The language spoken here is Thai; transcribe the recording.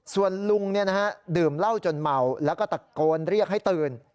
ส่วนลุงดื่มเหล้าจนเมาแล้วก็ตะโกนเรียกให้ตื่น